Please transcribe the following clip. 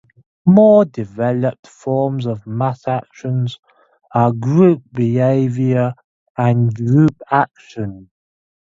More developed forms of mass actions are group behavior and group action.